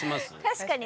確かに。